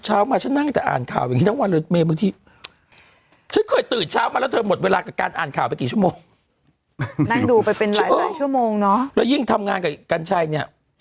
ชั่วโมงนั่งดูไปเป็นหลายหลายชั่วโมงเนาะยิ่งทำงานเป็นกับการใช่นี่